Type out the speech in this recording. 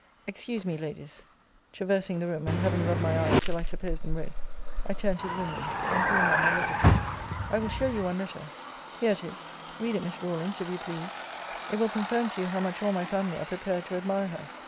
Excuse me, Ladies; traversing the room, and having rubbed my eyes till I supposed them red, I turned to the women; and, pulling out my letter case, I will show you one letter here it is read it, Miss Rawlins, if you please it will confirm to you how much all my family are prepared to admire her.